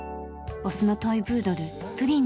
オスのトイプードルプリンです。